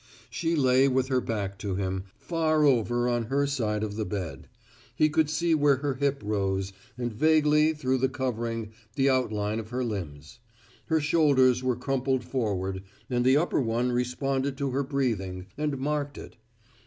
She lay with her back to him, far over on her side of the bed. He could see where her hip rose, and vaguely through the covering the outline of her limbs. Her shoulders were crumpled forward, and the upper one responded to her breathing, and marked it.